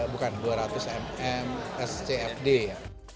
bukan dua ratus mm scfd ya